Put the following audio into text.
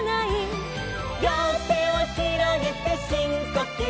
「りょうてをひろげてしんこきゅう」